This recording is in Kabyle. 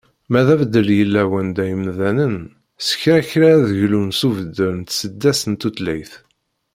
Ma d abeddel yella wanda imdanen, s kra kra ad glun s ubeddel n tseddast n tutlayt.